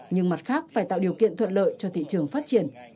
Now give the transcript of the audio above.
nhưng mặt khác phải tạo điều kiện thuận lợi cho thị trường phát triển